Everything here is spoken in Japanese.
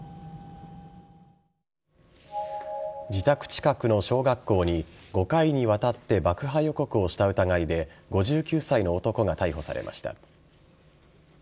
自宅近くの小学校に５回にわたって爆破予告をした疑いで５９歳の男が逮捕されました。